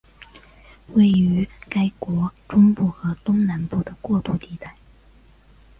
位于该国中部和东南部的过渡地带。